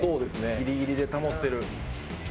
ギリギリで保ってる。